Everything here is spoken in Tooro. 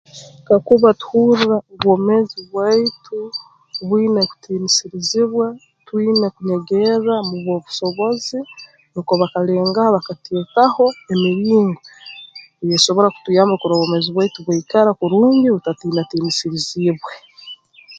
Kakuba tuhurra obwomeezi bwaitu bwina kutiinisirizibwa twine kunyegerra mu b'obusobozi nukwo bakalengaho bakateekaho emiringo eyeesobora kutuyamba kurora obwomeezi bwaitu bwaikara kurungi butatinatiinisiriziibwe